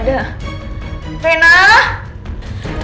di sini gak ada